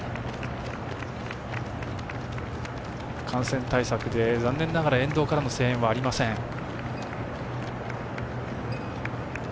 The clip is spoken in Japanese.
感染対策で残念ながら沿道からの声援はありません。